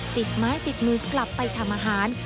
ติดไม้ติดมือกลับไปทำอาหาร